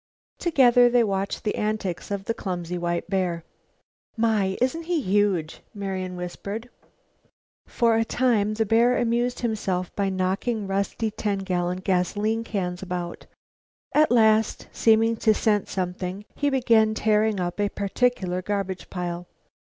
Together they watched the antics of the clumsy white bear. "My! Isn't it huge!" whispered Marian. For a time the bear amused himself by knocking rusty ten gallon gasoline cans about. At last, seeming to scent something, he began tearing up a particular garbage pile.